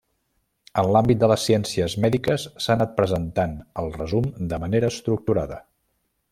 En l'àmbit de les ciències mèdiques s'ha anat presentant el resum de manera estructurada.